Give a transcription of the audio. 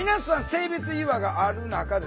性別違和がある中ですね